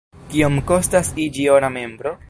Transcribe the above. Kiom kostas iĝi ora membro?